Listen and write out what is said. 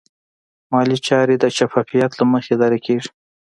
مالي چارې د شفافیت له مخې اداره کېږي.